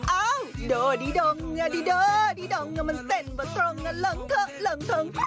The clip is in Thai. เอ้าโดดิดองดิดอดิดองมันเต้นปะตรงลงเทอะลงทง